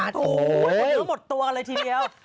เดี๋ยวหมดตัวเลยทีเดียว